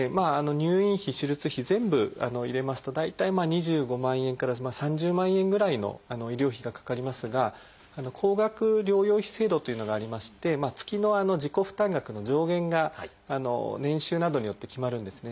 入院費手術費全部入れますと大体２５万円から３０万円ぐらいの医療費がかかりますが高額療養費制度というのがありまして月の自己負担額の上限が年収などによって決まるんですね。